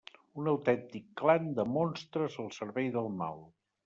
Un autèntic clan de monstres al servei del mal.